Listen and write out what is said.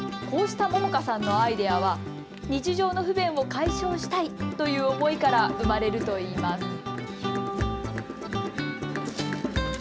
こうした杏果さんのアイデアは日常の不便を解消したいという思いから生まれるといいます。